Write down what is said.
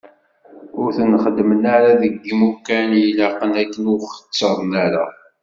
Ur ten-xeddmen ara deg yimukan i ilaqen akken ur xettren ara.